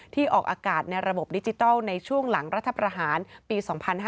ออกอากาศในระบบดิจิทัลในช่วงหลังรัฐประหารปี๒๕๕๙